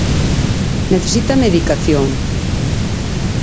Necesita medicación.